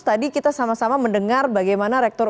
tadi kita sama sama mendengar bagaimana rektor